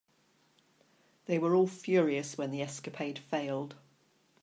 They were all furious when the escapade failed.